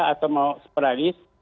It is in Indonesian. atau mau sporadis